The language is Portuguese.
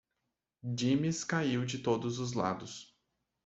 Dimes caiu de todos os lados.